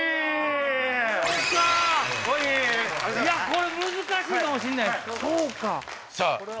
これ難しいかもしんないっす。